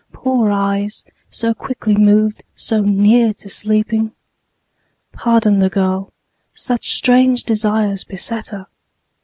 Poor eyes, so quickly moved, so near to sleeping? Pardon the girl; such strange desires beset her.